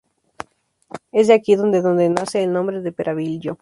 Es de aquí de donde nace el nombre de Peralvillo.